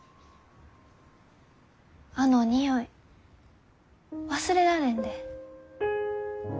あの匂い忘れられんで。